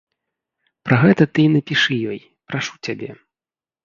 Пра гэта ты і напішы ёй, прашу цябе.